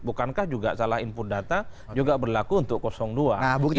bukankah juga salah input data juga berlaku untuk dua